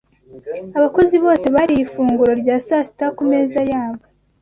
Abakozi bose bariye ifunguro rya saa sita ku meza yabo.